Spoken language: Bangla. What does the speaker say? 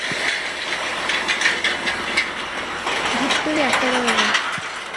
ধুত্তুরি, একটা দরজা।